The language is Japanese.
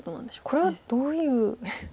これはどういう？